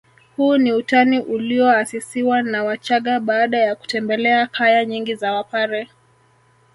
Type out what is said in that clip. Huu ni utani ulioasisiwa na wachagga baada ya kutembelea kaya nyingi za wapare